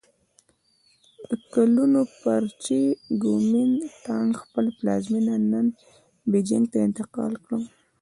د کلونو پر چې ګومین ټانګ خپل پلازمېنه نن بیجینګ ته انتقال کړ.